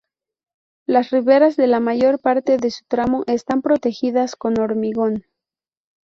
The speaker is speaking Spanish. Las riberas de la mayor parte de su tramo están protegidas con hormigón.